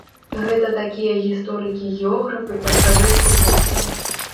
Гэта такія гісторыкі-географы па сваёй сутнасці.